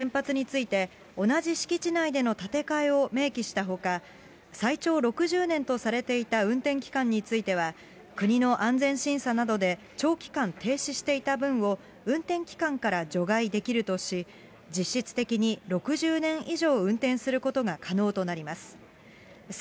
廃炉を決めた原発について、同じ敷地内での建て替えを明記したほか、最長６０年とされていた運転期間については、国の安全審査などで長期間停止していた分を運転期間から除外できるとし、実質的に６０年以上運転することが可能となります。